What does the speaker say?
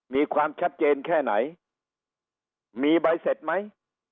มีความชัดเจนแค่ไหนมีใบเสร็จไหม